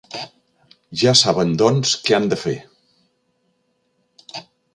Ja saben, doncs, què han de fer.